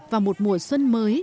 và một mùa xuân mới